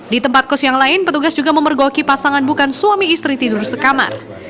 di tempat kos yang lain petugas juga memergoki pasangan bukan suami istri tidur sekamar